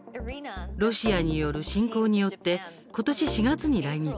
ロシアによる侵攻によって今年４月に来日。